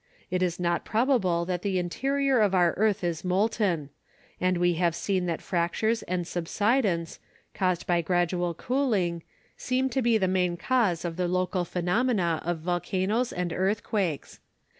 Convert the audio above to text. It is not probable that the interior of our earth is molten; and we have seen that fractures and subsidence, caused by gradual cooling, seem to be the main cause of the local phenomena of volcanoes and earthquakes.